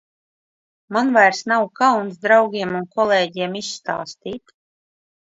Man vairs nav kauns draugiem un kolēģiem izstāstīt.